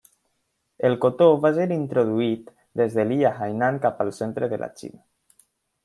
El cotó va ser introduït des de l'illa Hainan cap al centre de la Xina.